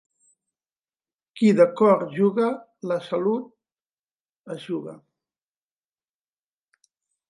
Qui de cor juga, la salut es juga.